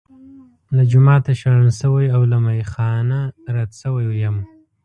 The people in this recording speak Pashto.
له جوماته شړل شوی او له میخا نه رد شوی یم.